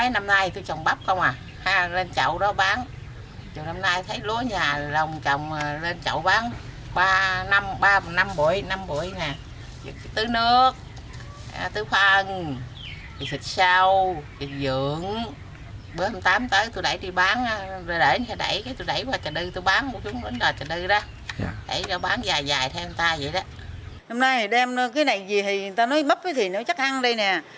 năm nay thì đem cái này gì thì người ta nói mấp thì nó chắc ăn đây nè